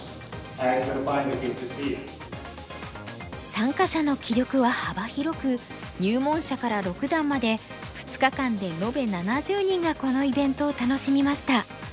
参加者の棋力は幅広く入門者から六段まで２日間で延べ７０人がこのイベントを楽しみました。